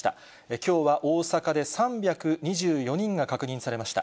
きょうは大阪で３２４人が確認されました。